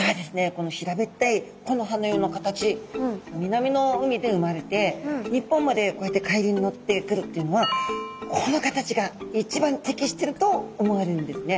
この平べったい木の葉のような形南の海で生まれて日本までこうやって海流に乗ってくるっていうのはこの形が一番適していると思われるんですね。